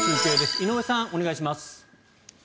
井上さん、お願いします。